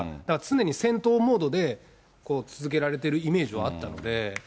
だから常に戦闘モードで続けられてるイメージはあったので。